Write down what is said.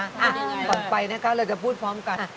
ต่อไปนะคะเราจะพูดพร้อมกัน